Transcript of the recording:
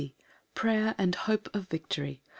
Prayer and hope of victory.